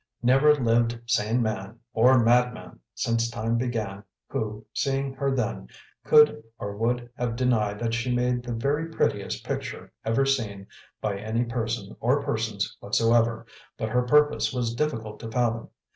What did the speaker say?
Never lived sane man, or madman, since time began, who, seeing her then, could or would have denied that she made the very prettiest picture ever seen by any person or persons whatsoever but her purpose was difficult to fathom.